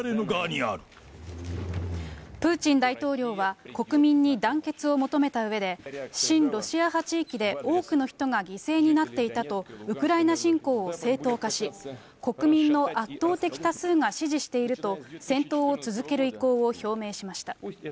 プーチン大統領は、国民に団結を求めたうえで、親ロシア派地域で多くの人が犠牲になっていたと、ウクライナ侵攻を正当化し、国民の圧倒的多数が支持していると戦闘を続ける意向を表明しました。